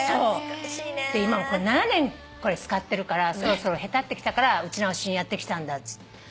今７年これ使ってるからそろそろへたってきたから打ち直しにやって来たんだって。